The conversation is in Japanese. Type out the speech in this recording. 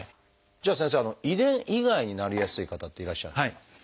じゃあ先生遺伝以外になりやすい方っていらっしゃるんですか？